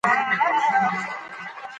کوز خوات: